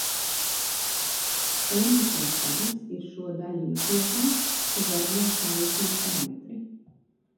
Emitētājs ir šo daļiņu kopums, kas darbojas kā rīcības parametri.